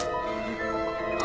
あ。